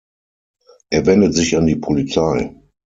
Er wendet sich an die Polizei.